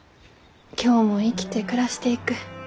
今日も生きて暮らしていく。